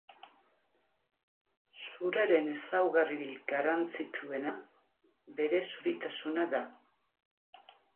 Zuraren ezaugarririk garrantzitsuena bere zuritasuna da.